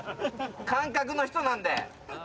感覚の人なんで。